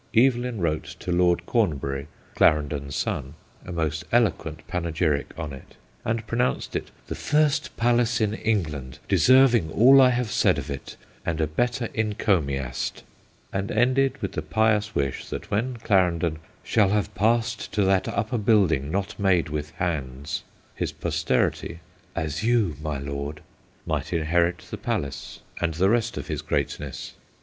Evelyn wrote to Lord Cornbury, Clarendon's son, a most eloquent panegyric on it, and pronounced it ' the first palace in England, deserving all I have said of it, and a better encomiast,' and ended with the pious wish that when Clarendon ' shall have passed to that upper building not made with hands/ his posterity (' as you, my Lord') might inherit the palace and the rest of his great ness.